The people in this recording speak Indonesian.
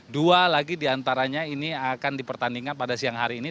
dua lagi diantaranya ini akan dipertandingkan pada siang hari ini